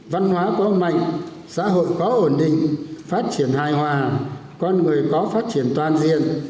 văn hóa có mạnh xã hội có ổn định phát triển hài hòa con người có phát triển toàn diện